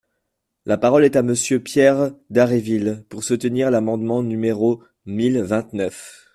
La parole est à Monsieur Pierre Dharréville, pour soutenir l’amendement numéro mille vingt-neuf.